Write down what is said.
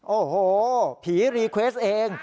โอ้โหผีรีเควสเอง